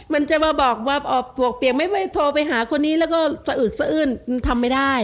มันจะบอกว่าผลวกเปลี่ยกไม่เพื่อผ่าโทรผ่าคนนี้แล้วก็สะอึดสะอืดมันทำไม่ได้